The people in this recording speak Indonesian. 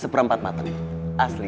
seperempat matang asli